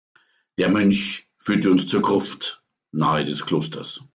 Der Mönch führte uns zur Gruft nahe des Klosters.